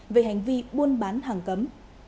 về hành vi buôn bán hàng cấm